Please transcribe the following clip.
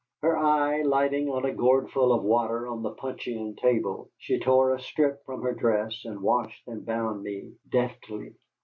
Her eye lighting on a gourdful of water on the puncheon table, she tore a strip from her dress and washed and bound me deftly.